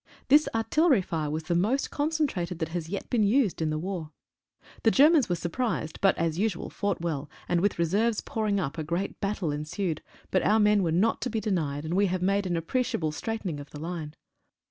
This artillery fire was the most concentrated that has yet been used in the 49 THE DOCTORS' WORK. war. The Germans were surprised, but, as usual, fought well, and with reserves pouring up a great battle ensued, but our men were not to be denied, and we have made an appreciable straightening of the line.